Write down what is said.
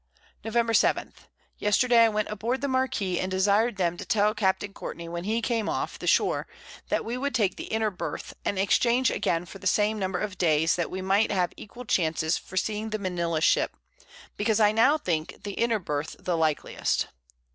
Nov. 7. Yesterday I went aboard the Marquiss, and desir'd them to tell Capt. Courtney, when he came off the Shore, that we would take the inner Birth, and exchange again for the same Number of Days, that we might have equal Chances for seeing the Manila Ship; because I now think the inner Birth the likeliest.